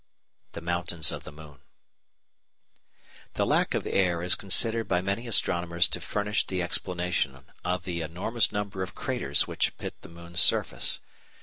The Mountains of the Moon The lack of air is considered by many astronomers to furnish the explanation of the enormous number of "craters" which pit the moon's surface.